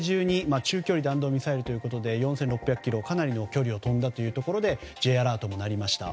中距離弾道ミサイルということで４６００ｋｍかなりの距離を飛んだということでＪアラートが鳴りました。